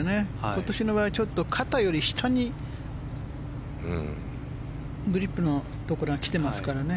今年の場合はちょっと肩より下にグリップのところが来てますからね。